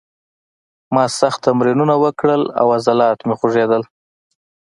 ما سخت تمرینونه وکړل او عضلات مې خوږېدل